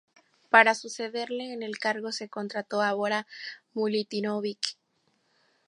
Para sucederle en el cargo se contrató a Bora Milutinović.